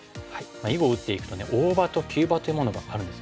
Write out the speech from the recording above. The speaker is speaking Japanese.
囲碁を打っていくと大場と急場というものがあるんですよね。